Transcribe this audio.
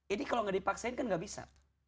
ini kalau gak dipaksain kan gak bisa